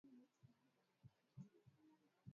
Lakini anza kujiangalia mwenye ukiwa kama binaadamu